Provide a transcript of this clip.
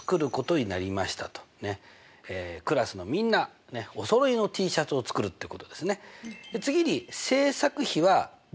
クラスのみんなおそろいのＴシャツを作るってことですね。